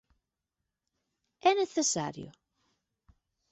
É necesario?